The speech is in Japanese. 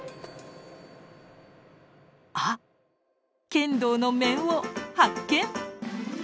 剣道の面を発見！